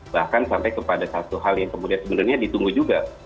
bahkan sampai kepada satu hal yang kemudian sebenarnya ditunggu juga